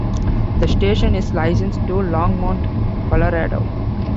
The station is licensed to Longmont, Colorado.